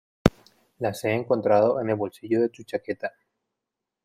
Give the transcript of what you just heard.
las he encontrado en el bolsillo de tu chaqueta